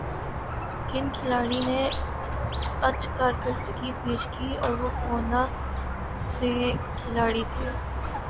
کن کھلاڑی نے اچھ کارکردگی پیشہ کی اور وہ کونہ سے کھلاڑی تھے